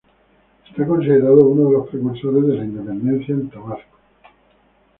Es considerado uno de los precursores de la Independencia en Tabasco.